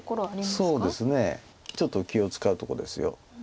そうですねちょっと気を遣うとこです。